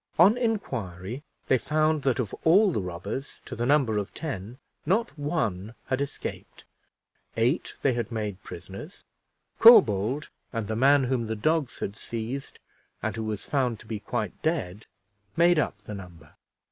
On inquiry they found, that of all the robbers, to the number of ten, not one had escaped eight they had made prisoners, Corbould, and the man whom the dogs had seized, and who was found to be quite dead, made up the number.